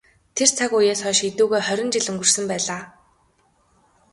Тэр цаг үеэс хойш эдүгээ хорин жил өнгөрсөн байлаа.